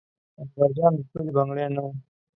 اکبر جان د تورې بنګړي نه و.